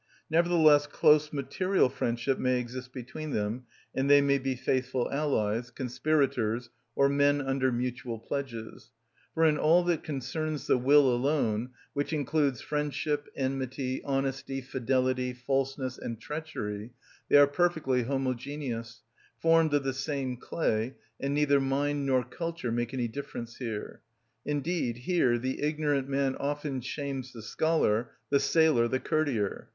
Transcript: Nevertheless close material friendship may exist between them, and they may be faithful allies, conspirators, or men under mutual pledges. For in all that concerns the will alone, which includes friendship, enmity, honesty, fidelity, falseness, and treachery, they are perfectly homogeneous, formed of the same clay, and neither mind nor culture make any difference here; indeed here the ignorant man often shames the scholar, the sailor the courtier.